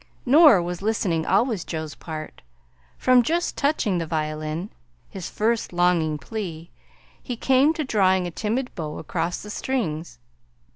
Nor was listening always Joe's part. From "just touching" the violin his first longing plea he came to drawing a timid bow across the strings.